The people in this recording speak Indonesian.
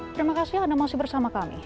terima kasih anda masih bersama kami